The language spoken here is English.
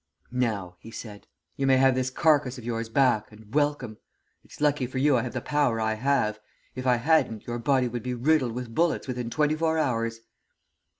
"'Now,' he said, 'you may have this carcass of yours back and welcome. It's lucky for you I have the power I have. If I hadn't, your body would be riddled with bullets within twenty four hours.'